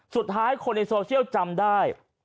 สุดท้ายคนในโซเชียลจำได้